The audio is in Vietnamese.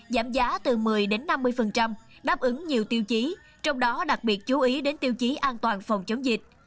giảm giá từ một mươi năm mươi đáp ứng nhiều tiêu chí trong đó đặc biệt chú ý đến tiêu chí an toàn phòng chống dịch